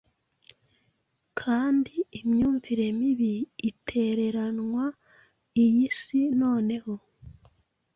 Kandi imyumvire mibi itereranwa iyi si noneho